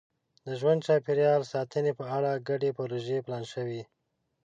د ژوند چاپېریال ساتنې په اړه ګډې پروژې پلان شوي.